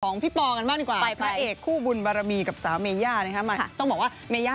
ของพี่ปอมกันมากหนึ่งดีกว่า